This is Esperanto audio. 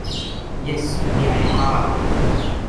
Jes, miaj haroj.